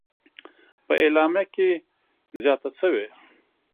په اعلامیه کې زیاته شوې: